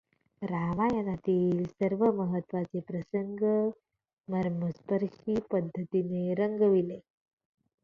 रामायणातील सर्व महत्त्वाचे प्रसंग मर्मस्पर्शी पद्धतीने रंगविले.